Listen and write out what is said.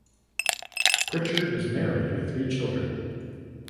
Pritchard is married with three children.